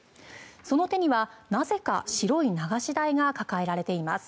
その手にはなぜか白い流し台が抱えられています。